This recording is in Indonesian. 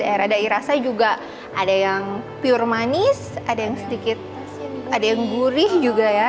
dari berbagai jenis daerah dari rasa juga ada yang pure manis ada yang sedikit ada yang gurih juga ya